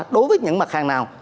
đối với những mặt hàng nào